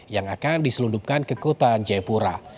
yang akan diselundupkan ke kota jayapura